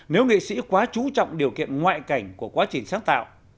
nếu nghệ sĩ quá chú trọng điều kiện ngoại cảnh của quá trình sáng tạo